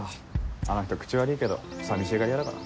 あの人口悪いけど寂しがり屋だから。